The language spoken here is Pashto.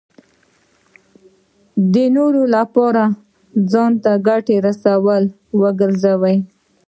د نورو لپاره ځان ګټه رسوونکی وګرځوي.